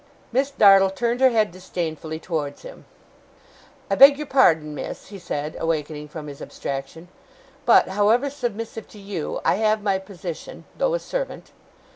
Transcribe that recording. Miss Dartle turned her head disdainfully towards him. 'I beg your pardon, miss,' he said, awakening from his abstraction, 'but, however submissive to you, I have my position, though a servant.